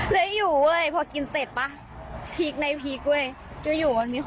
เลยอยู่เว้ยพอกินเสร็จป่ะพีคในพีคเว้ย